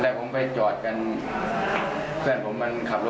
แล้วก็เอาผืนเขาโมงขี้